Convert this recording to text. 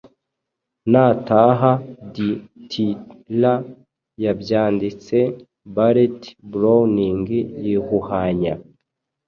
Nataha Ditiller yabyandite, Barrett Browning yihuhanya